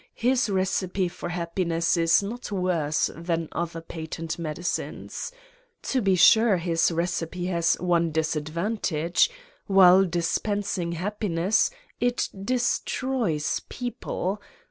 His recipe for happiness is not worse than other patent medicines. To be sure, his recipe has on< disadvantage: while dispensing happiness it de stroys people